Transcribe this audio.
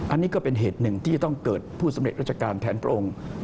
อันนี้ก็เป็นเหตุหนึ่งที่จะต้องเกิดผู้สำเร็จราชการแทนพระองค์